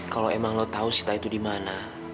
kalau emang lo tahu sita itu di mana